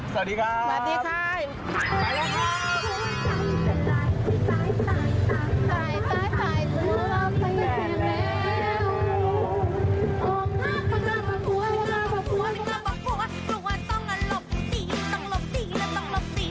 สวัสดีครับสวัสดีค่ะสวัสดีค่ะไปแล้วครับ